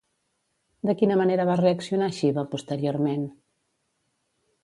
De quina manera va reaccionar Xiva posteriorment?